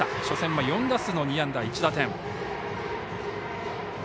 初戦は４打数２安打１打点。